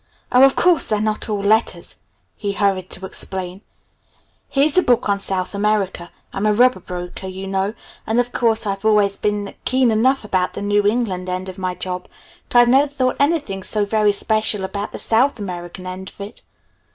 "Oh, of course they're not all letters," he hurried to explain. "Here's a book on South America. I'm a rubber broker, you know, and of course I've always been keen enough about the New England end of my job, but I've never thought anything so very special about the South American end of it.